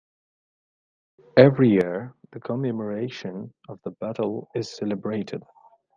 Every year, the commemoration of the battle is celebrated.